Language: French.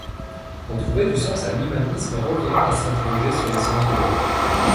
Retrouver du sens à l'humanisme revient à s'interroger sur l'essence de l'homme.